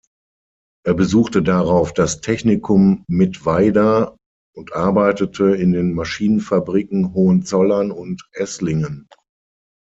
Er besuchte darauf das Technikum Mittweida und arbeitete in den Maschinenfabriken Hohenzollern und Esslingen.